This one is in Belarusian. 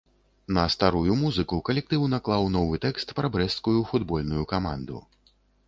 На старую музыку калектыў наклаў новы тэкст пра брэсцкую футбольную каманду.